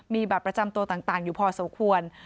มีบัตรประจำตัวต่างอยู่พอสมควร